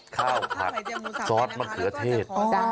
ข้าวผัดซอสมะเขือเทศ